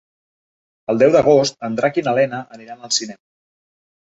El deu d'agost en Drac i na Lena aniran al cinema.